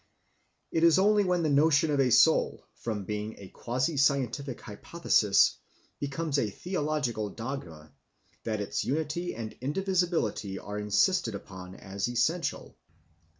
It is only when the notion of a soul, from being a quasi scientific hypothesis, becomes a theological dogma that its unity and indivisibility are insisted upon as essential.